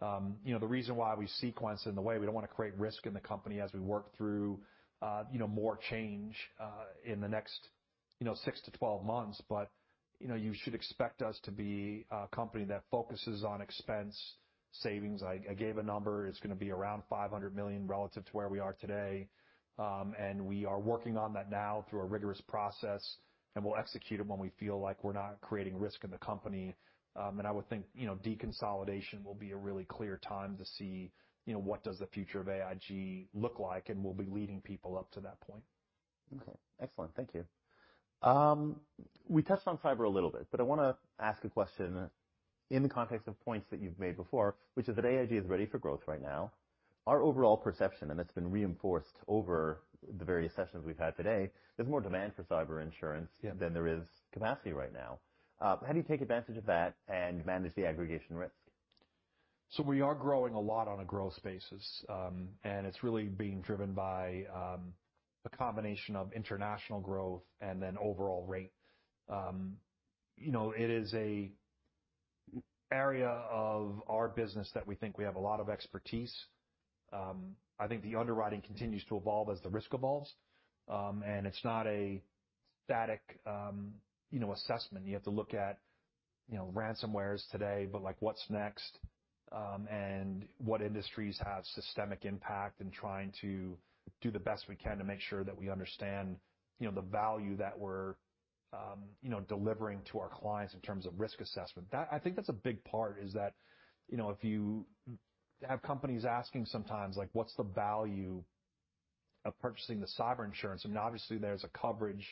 The reason why we sequence in the way, we don't want to create risk in the company as we work through more change in the next Six to 12 months, you should expect us to be a company that focuses on expense savings. I gave a number. It's going to be around $500 million relative to where we are today. We are working on that now through a rigorous process, and we'll execute it when we feel like we're not creating risk in the company. I would think, deconsolidation will be a really clear time to see, what does the future of AIG look like, and we'll be leading people up to that point. Okay. Excellent. Thank you. We touched on cyber a little bit. I want to ask a question in the context of points that you've made before, which is that AIG is ready for growth right now. Our overall perception, that's been reinforced over the various sessions we've had today, there's more demand for cyber insurance- Yeah than there is capacity right now. How do you take advantage of that and manage the aggregation risk? We are growing a lot on a growth basis. It's really being driven by a combination of international growth and overall rate. It is an area of our business that we think we have a lot of expertise. I think the underwriting continues to evolve as the risk evolves. It's not a static assessment. You have to look at ransomwares today. What's next, what industries have systemic impact, and trying to do the best we can to make sure that we understand the value that we're delivering to our clients in terms of risk assessment. I think that's a big part is that, if you have companies asking sometimes, like, what's the value of purchasing the cyber insurance? I mean, obviously, there's a coverage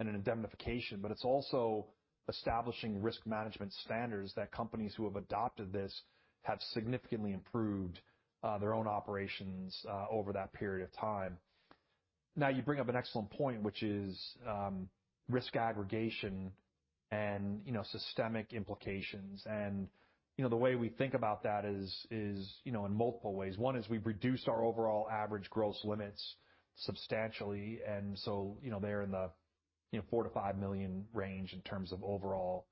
and an indemnification. It's also establishing risk management standards that companies who have adopted this have significantly improved their own operations over that period of time. Now you bring up an excellent point, which is risk aggregation and systemic implications. The way we think about that is in multiple ways. One is we've reduced our overall average gross limits substantially. They're in the $4 million to $5 million range in terms of overall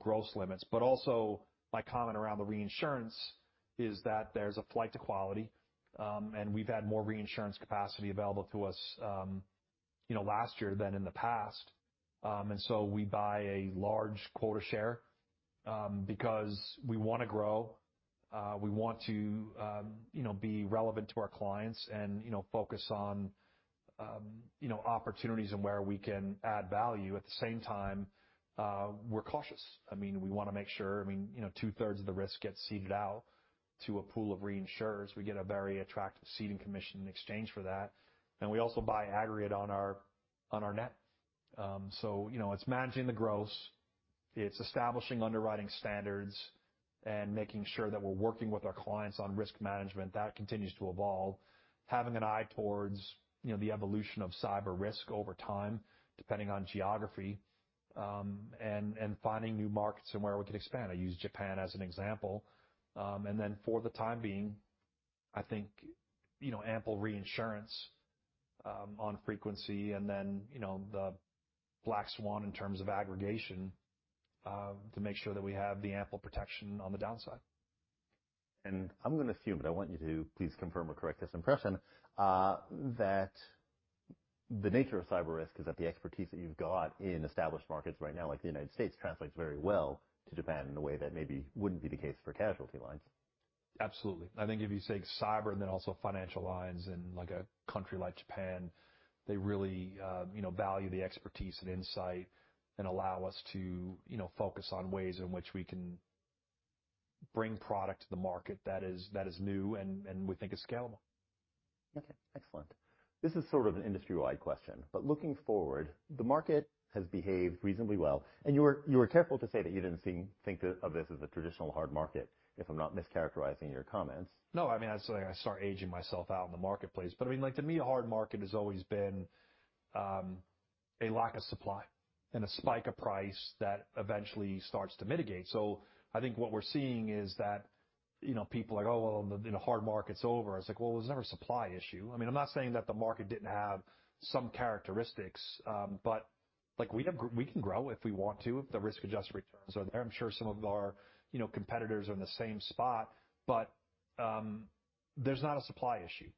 gross limits. Also my comment around the reinsurance is that there's a flight to quality. We've had more reinsurance capacity available to us last year than in the past. We buy a large quota share, because we want to grow. We want to be relevant to our clients and focus on opportunities and where we can add value. At the same time, we're cautious. We want to make sure, two-thirds of the risk gets ceded out to a pool of reinsurers. We get a very attractive ceding commission in exchange for that, and we also buy aggregate on our net. It's managing the gross. It's establishing underwriting standards and making sure that we're working with our clients on risk management that continues to evolve. Having an eye towards the evolution of cyber risk over time, depending on geography, and finding new markets and where we could expand. I use Japan as an example. For the time being, I think, ample reinsurance on frequency and then the black swan in terms of aggregation, to make sure that we have the ample protection on the downside. I'm going to assume, but I want you to please confirm or correct this impression, that the nature of cyber risk is that the expertise that you've got in established markets right now, like the United States, translates very well to Japan in a way that maybe wouldn't be the case for casualty lines. Absolutely. I think if you say cyber also financial lines in a country like Japan, they really value the expertise and insight and allow us to focus on ways in which we can bring product to the market that is new and we think is scalable. Okay, excellent. This is sort of an industry-wide question, looking forward, the market has behaved reasonably well. You were careful to say that you didn't think of this as a traditional hard market, if I'm not mischaracterizing your comments. I mean, I was saying I start aging myself out in the marketplace. I mean, to me, a hard market has always been a lack of supply and a spike of price that eventually starts to mitigate. I think what we're seeing is that people are like, "Oh, well, the hard market's over." It's like, well, there was never a supply issue. I'm not saying that the market didn't have some characteristics, but we can grow if we want to if the risk-adjusted returns are there. I'm sure some of our competitors are in the same spot. There's not a supply issue.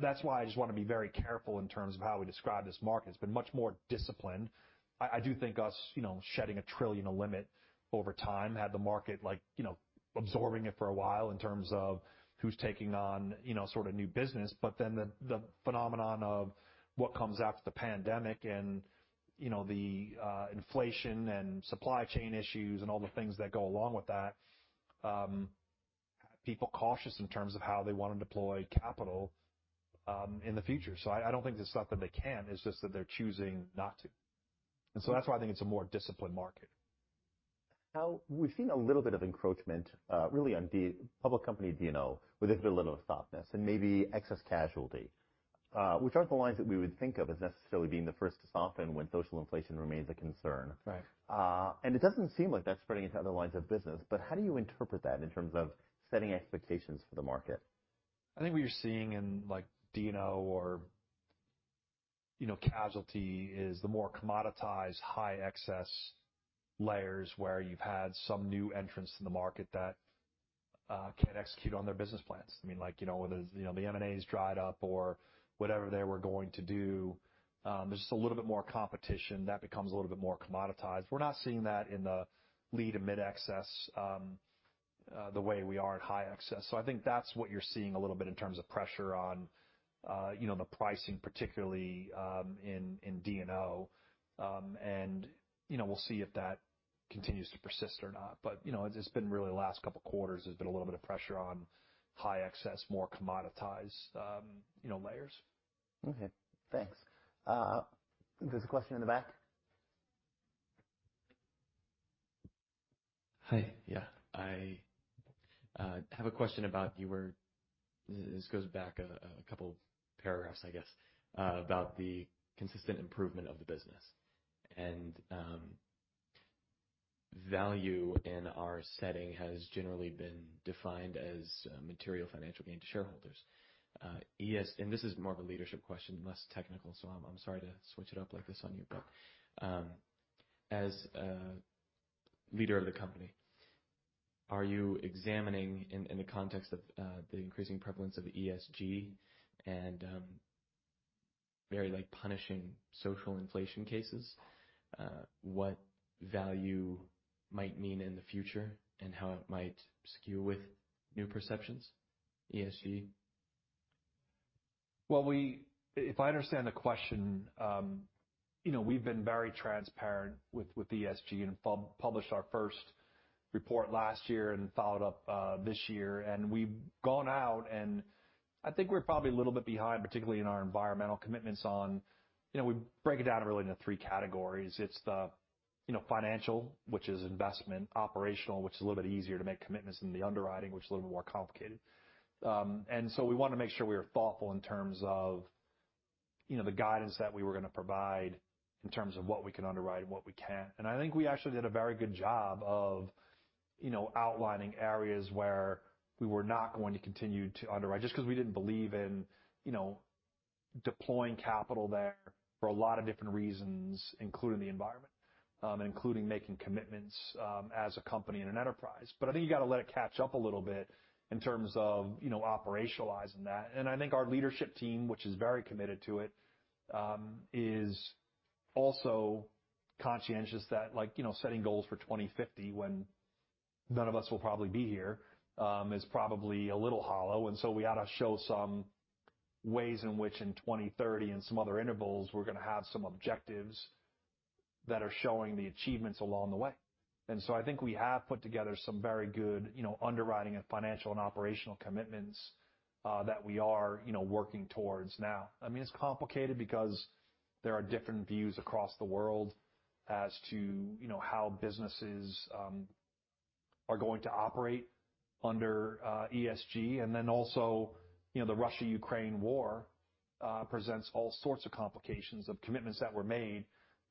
That's why I just want to be very careful in terms of how we describe this market. It's been much more disciplined. I do think us shedding a trillion of limit over time had the market absorbing it for a while in terms of who's taking on sort of new business. The phenomenon of what comes after the pandemic and the inflation and supply chain issues and all the things that go along with that, had people cautious in terms of how they want to deploy capital in the future. I don't think it's not that they can, it's just that they're choosing not to. That's why I think it's a more disciplined market. We've seen a little bit of encroachment, really on public company D&O, where there's been a little bit of softness and maybe excess casualty, which aren't the lines that we would think of as necessarily being the first to soften when social inflation remains a concern. Right. It doesn't seem like that's spreading into other lines of business, but how do you interpret that in terms of setting expectations for the market? I think what you're seeing in D&O or casualty is the more commoditized high excess layers where you've had some new entrants in the market that cannot execute on their business plans. Whether the M&A has dried up or whatever they were going to do, there's just a little bit more competition that becomes a little bit more commoditized. We're not seeing that in the lead to mid-excess the way we are in high excess. I think that's what you're seeing a little bit in terms of pressure on the pricing, particularly in D&O. We'll see if that continues to persist or not. It's been really the last couple of quarters, there's been a little bit of pressure on high excess, more commoditized layers. Okay, thanks. There's a question in the back. Hi. Yeah. I have a question about this goes back a couple paragraphs, I guess, about the consistent improvement of the business. Value in our setting has generally been defined as material financial gain to shareholders. This is more of a leadership question, less technical, so I'm sorry to switch it up like this on you. As a leader of the company, are you examining, in the context of the increasing prevalence of ESG and very punishing social inflation cases, what value might mean in the future and how it might skew with new perceptions? ESG. Well, if I understand the question, we've been very transparent with ESG and published our first report last year and followed up this year. We've gone out, and I think we're probably a little bit behind, particularly in our environmental commitments on. We break it down really into 3 categories. It's the financial, which is investment. Operational, which is a little bit easier to make commitments than the underwriting, which is a little bit more complicated. We want to make sure we are thoughtful in terms of the guidance that we were going to provide in terms of what we can underwrite and what we can't. I think we actually did a very good job of outlining areas where we were not going to continue to underwrite just because we didn't believe in deploying capital there for a lot of different reasons, including the environment, and including making commitments as a company and an enterprise. I think you got to let it catch up a little bit in terms of operationalizing that. I think our leadership team, which is very committed to it, is also conscientious that setting goals for 2050 when none of us will probably be here, is probably a little hollow. We ought to show some ways in which in 2030 and some other intervals, we're going to have some objectives that are showing the achievements along the way. I think we have put together some very good underwriting of financial and operational commitments that we are working towards now. It's complicated because there are different views across the world as to how businesses are going to operate under ESG. Also, the Russia-Ukraine war presents all sorts of complications of commitments that were made.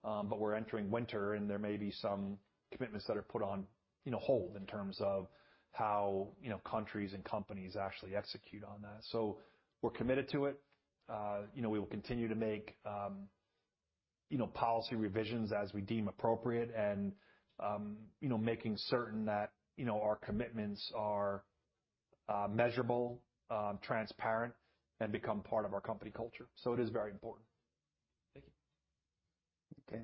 We're entering winter, and there may be some commitments that are put on hold in terms of how countries and companies actually execute on that. We're committed to it. We will continue to make policy revisions as we deem appropriate and making certain that our commitments are measurable, transparent, and become part of our company culture. It is very important. Thank you. Okay.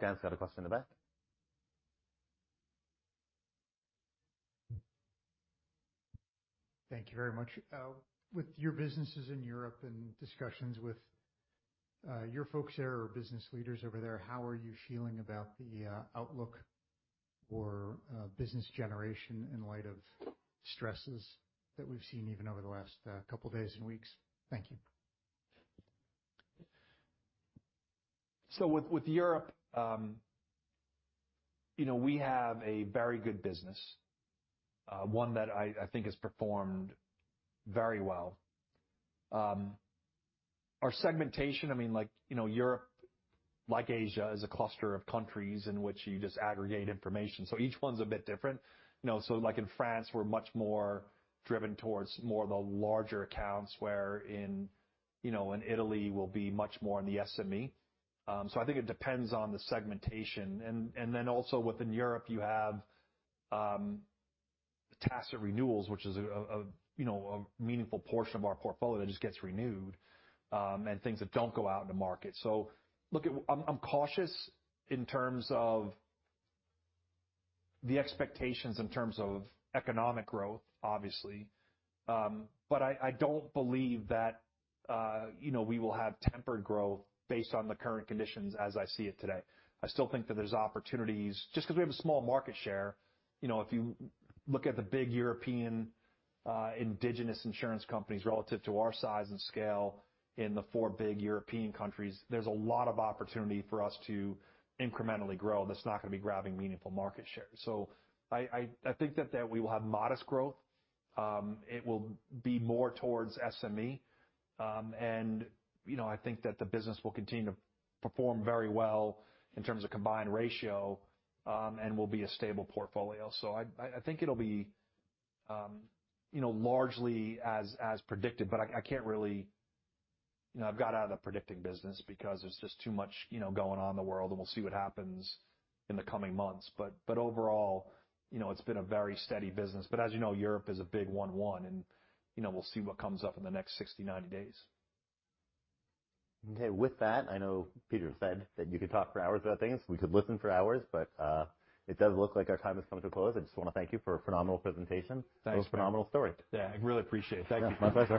Dan's got a question in the back. Thank you very much. With your businesses in Europe and discussions with your folks there or business leaders over there, how are you feeling about the outlook for business generation in light of stresses that we've seen even over the last couple of days and weeks? Thank you. With Europe, we have a very good business, one that I think has performed very well. Our segmentation, Europe, like Asia, is a cluster of countries in which you just aggregate information. Each one's a bit different. Like in France, we're much more driven towards more the larger accounts, where in Italy, we'll be much more in the SME. I think it depends on the segmentation. Also within Europe, you have tacit renewals, which is a meaningful portion of our portfolio that just gets renewed, and things that don't go out in the market. I'm cautious in terms of the expectations in terms of economic growth, obviously. I don't believe that we will have tempered growth based on the current conditions as I see it today. I still think that there's opportunities just because we have a small market share. If you look at the big European indigenous insurance companies relative to our size and scale in the four big European countries, there's a lot of opportunity for us to incrementally grow that's not going to be grabbing meaningful market share. I think that we will have modest growth. It will be more towards SME. I think that the business will continue to perform very well in terms of combined ratio, and will be a stable portfolio. I think it'll be largely as predicted, but I can't really I've got out of the predicting business because there's just too much going on in the world, and we'll see what happens in the coming months. Overall, it's been a very steady business. As you know, Europe is a big one-one, and we'll see what comes up in the next 60, 90 days. Okay. With that, I know Peter said that you could talk for hours about things. We could listen for hours, it does look like our time has come to a close. I just want to thank you for a phenomenal presentation. Thanks. It was a phenomenal story. Yeah, I really appreciate it. Thank you. Yeah. My pleasure.